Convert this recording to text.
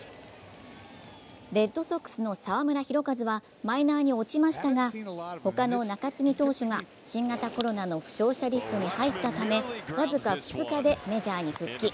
レッドソックスの澤村拓一はマイナーに落ちましたが、他の中継ぎ投手が新型コロナの負傷者リストに入ったため僅か２日でメジャーに復帰。